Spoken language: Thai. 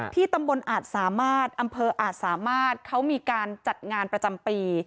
ที่ตำบลอาจสามารถอำเภออาจสามารถเขามีการจัดงานประจำปี